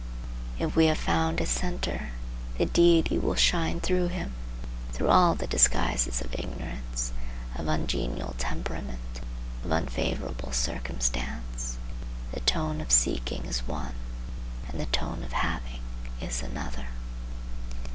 If he have found his centre, the Deity will shine through him, through all the disguises of ignorance, of ungenial temperament, of unfavorable circumstance. The tone of seeking is one, and the tone of having is another.